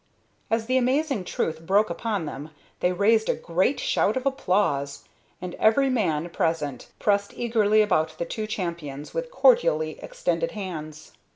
As the amazing truth broke upon them, they raised a great shout of applause, and every man present pressed eagerly about the two champions with cordially extended hands.